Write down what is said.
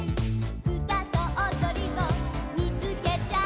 「うたとおどりを見つけちゃおうよ」